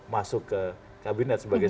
masuk ke kabinet sebagai